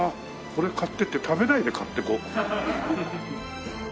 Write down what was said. これ買っていって食べないで買っていこう。